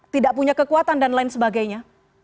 tidak punya kekuatan dan lain sebagainya